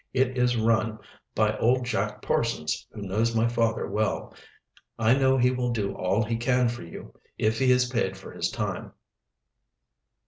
"It is rum by old Jack Parsons, who knows my father well. I know he will do all he can for you, if he is paid for his time."